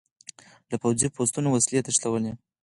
له پوځي پوستو وسلې تښتولې.